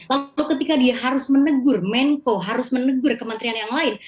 lalu ketika dia harus menegur menko harus menegur kementerian yang lain